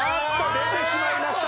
出てしまいました！